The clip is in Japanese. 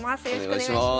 お願いします。